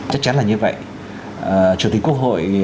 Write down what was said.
chắc chắn là như vậy chủ tịch quốc hội